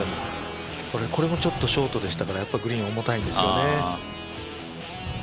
これもちょっとショートでしたからやっぱりグリーン重たいんですね。